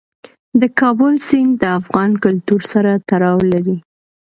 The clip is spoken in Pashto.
د کابل سیند د افغان کلتور سره تړاو لري.